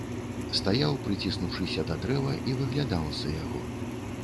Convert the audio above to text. Стаяў, прыціснуўшыся да дрэва, і выглядаў з-за яго.